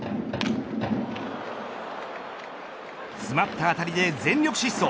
詰まった当たりで全力疾走。